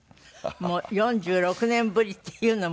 もう４６年ぶりっていうのも。